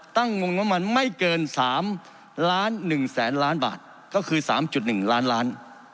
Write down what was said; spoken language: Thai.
ตั้งงงบังวลมารไม่เกินสามล้านหนึ่งแสนล้านบาทก็คือสามจุดหนึ่งล้านล้าน